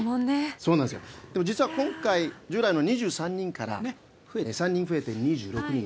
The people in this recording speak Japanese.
実は今回従来の２３人から３人増えて２６人。